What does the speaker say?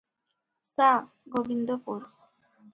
ସା-ଗୋବିନ୍ଦପୁର ।